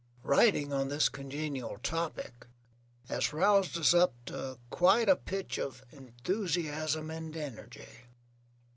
Writing on this congenial topic has roused us up to quite a pitch of enthusiasm and energy.